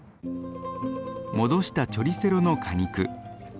戻したチョリセロの果肉。